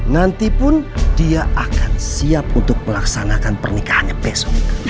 nantipun dia akan siap untuk melaksanakan pernikahannya besok